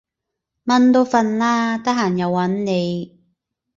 蚊都瞓喇，得閒又搵你